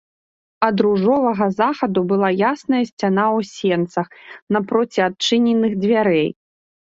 Ад ружовага захаду была ясная сцяна ў сенцах, напроці адчыненых дзвярэй.